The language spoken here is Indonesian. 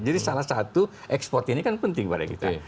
jadi salah satu ekspor ini kan penting kepada kita